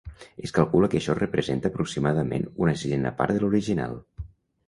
Es calcula que això representa aproximadament una sisena part de l'original.